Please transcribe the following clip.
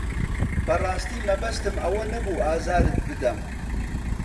بەڕاستی مەبەستم ئەوە نەبوو ئازارت بدەم.